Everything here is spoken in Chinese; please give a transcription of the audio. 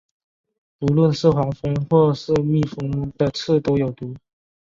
不论是黄蜂或是蜜蜂的刺都有毒。